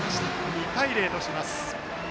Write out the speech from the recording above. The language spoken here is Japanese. ２対０とします。